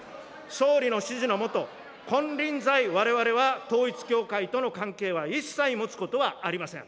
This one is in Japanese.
総理の指示の下、金輪際、われわれは統一教会との関係は一切持つことはありません。